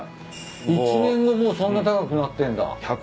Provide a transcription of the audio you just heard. １年後もうそんな高くなってんだ。